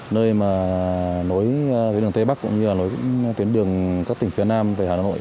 nơi mà nối với đường tây bắc cũng như là nối tuyến đường các tỉnh phía nam về hà nội